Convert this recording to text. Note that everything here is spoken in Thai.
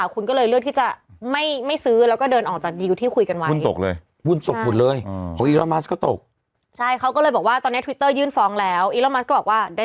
กะที่เป็นผู้ทรงอิจิบตนโลกแล้วเนอะ